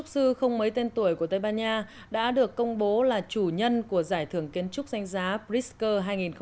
các kiến trúc sư không mấy tên tuổi của tây ban nha đã được công bố là chủ nhân của giải thưởng kiến trúc danh giá pritzker hai nghìn một mươi bảy